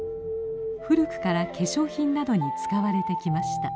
古くから化粧品などに使われてきました。